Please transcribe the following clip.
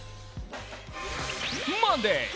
マンデー。